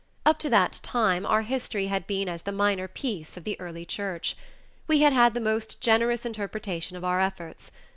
Up to that time, our history had been as the minor peace of the early Church. We had had the most generous interpretation of our efforts.